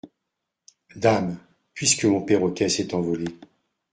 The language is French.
Dame ! puisque mon perroquet s’est envolé.